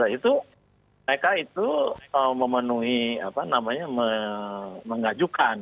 itu mereka itu memenuhi apa namanya mengajukan